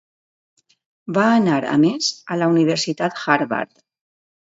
Va anar, a més, a la Universitat Harvard.